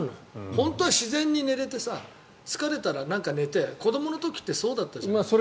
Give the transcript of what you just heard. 本当は自然に寝れて疲れたら寝て、子どもの時ってそうだったじゃない。